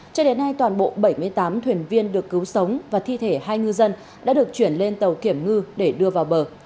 cho đến nay toàn bộ bảy mươi tám thuyền viên được cứu sống và thi thể hai ngư dân đã được chuyển lên tàu kiểm ngư để đưa vào bờ